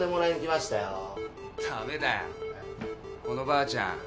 このばあちゃん